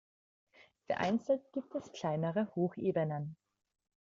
Vereinzelt gibt es kleinere Hochebenen.